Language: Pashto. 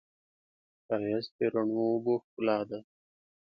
ښایست د رڼو اوښکو ښکلا ده